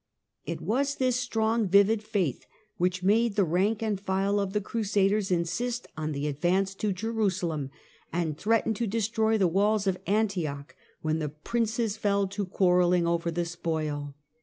It was this strong vivid faith which made the rank and file of the Crusaders insist on the advance to Jerusalem, and threaten to destroy the walls of Antioch when the princes fell to quarrelling over the spoil.